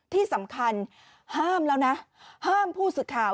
ที่สำคัญห้ามแล้วนะห้ามผู้สื่อข่าว